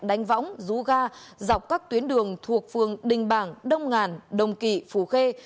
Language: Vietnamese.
đánh võng rú ga dọc các tuyến đường thuộc phường đình bảng đông ngàn đồng kỳ phù khê